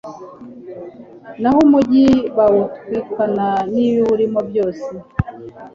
naho umugi bawutwikana n'ibiwurimo byose